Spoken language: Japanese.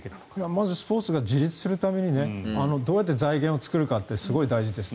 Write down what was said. まずスポーツが自立するためにどうやって財源を作るかってすごい大事です。